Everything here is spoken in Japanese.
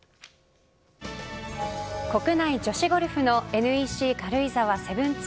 国内女子ゴルフのＮＥＣ軽井沢７２